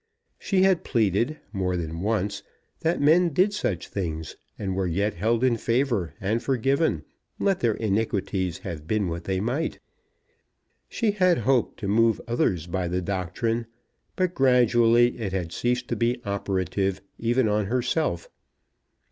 She had pleaded, more than once, that men did such things, and were yet held in favour and forgiven, let their iniquities have been what they might. She had hoped to move others by the doctrine; but gradually it had ceased to be operative, even on herself.